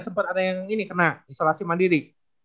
sempat ada yang ini kena isolasi mandiri